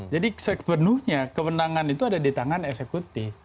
jadi sepenuhnya kewenangan itu ada di tangan eksekutif